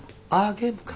ゲームか。